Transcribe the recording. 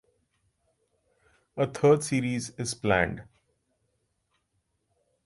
A third series is planned.